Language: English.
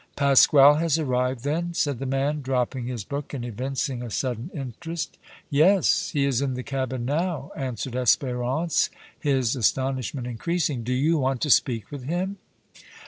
"Pasquale has arrived then?" said the man, dropping his book and evincing a sudden interest. "Yes; he is in the cabin now," answered Espérance, his astonishment increasing. "Do you want to speak with him?"